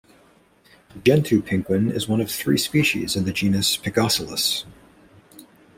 The gentoo penguin is one of three species in the genus "Pygoscelis".